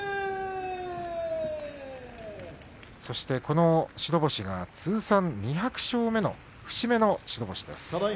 そしてこの白星が通算２００勝目の節目の白星です。